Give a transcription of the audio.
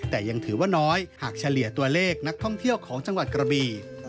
แต่ยังถือว่าน้อยหากเฉลี่ยตัวเลขนักท่องเที่ยวของจังหวัดกระบี